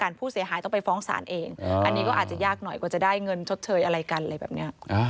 การผู้เสียหายต้องไปฟ้องสารเองอันนี้ก็อาจจะยากหน่อยกว่าจะได้เงินชดเฉยอะไรกัน